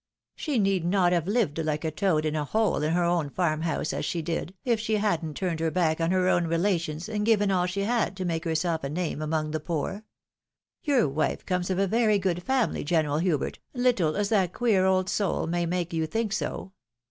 She need not have lived hke a toad in a hole in her own farm house as she did, if she hadn't turned her back on her own relations, and given all she had to make herself a name among the poor. Your wife comes of a very good family, GenerJil Hubert, little as that queer old soul may make you think so."